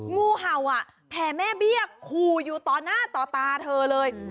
งูเห่าอ่ะแผ่แม่เบี้ยคู่อยู่ต่อหน้าต่อตาเธอเลย